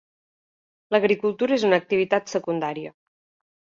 L'agricultura és una activitat secundària.